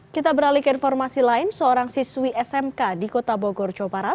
kita beralih ke informasi lain seorang siswi smk di kota bogor jawa barat